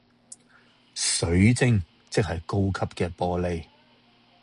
水晶即係高級嘅玻璃